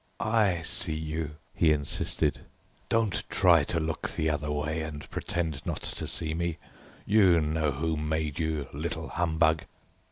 "I see you," he insisted, "don't try to look the other way and pretend not to see me. You know who made you, little humbug!"